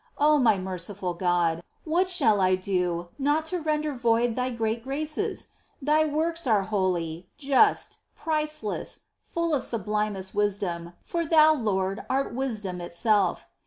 Oh, my merciful God ! what shall I do, not to render void Thy great graces ? Thy works are holy, just, priceless, 77 78 MINOR WORKS OF ST. TERESA. full of sublimest wisdom, for Thou, Lord, art Wisdom itself